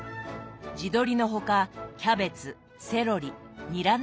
地鶏の他キャベツセロリニラなど。